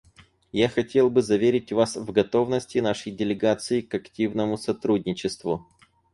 Я хотел бы заверить Вас в готовности нашей делегации к активному сотрудничеству.